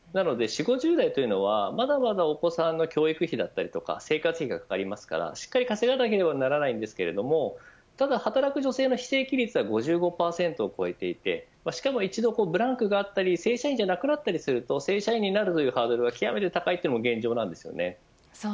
４０５０代というのはまだまだお子さんの教育費だったり生活費がありますからしっかり稼がないといけないのですが働く女性の非正規率は５５％を超えていてしかも、一度ブランクがあったり正社員じゃなくなったりすると正社員になるというハードルが高いというのも現状です。